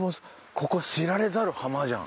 ここ知られざる浜じゃん。